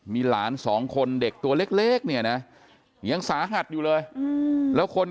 มีหลานสองคนเด็กตัวเล็กเนี่ยนะยังสาหัสอยู่เลยแล้วคน